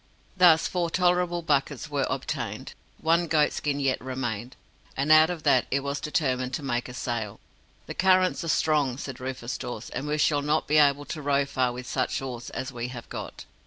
Thus four tolerable buckets were obtained. One goatskin yet remained, and out of that it was determined to make a sail. "The currents are strong," said Rufus Dawes, "and we shall not be able to row far with such oars as we have got.